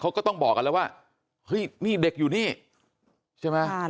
เขาก็ต้องบอกกันแล้วว่าเฮ้ยนี่เด็กอยู่นี่ใช่ไหม